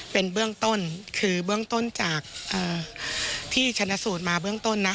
เป็นเบื้องต้นคือเบื้องต้นจากที่ชนะสูตรมาเบื้องต้นนะ